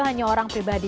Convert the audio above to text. hanya orang pribadi